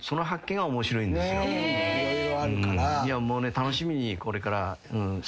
楽しみにこれから。